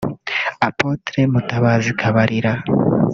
Apostle Mutabazi Kabarira